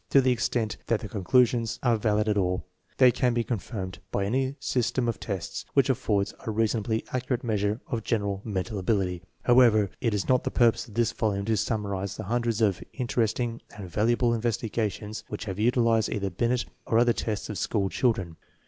To the extent that the con clusions are valid at all, they can be confirmed by any system of tests which affords a reasonably accurate measure of general mental ability. However, it is not PBJEFACE xv the purpose of this volume to summarize the hundreds of interesting and valuable investigations which have utilized either Binet or other tests of school children.